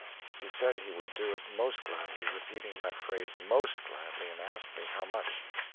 He said he would do it most gladly repeating that phrase "most gladly" and asked me how much.